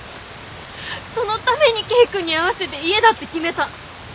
そのために景君に合わせて家だって決めた。